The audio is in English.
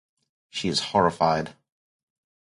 She is horrified.